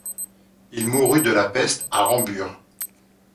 Il mourut de la peste à Rambures.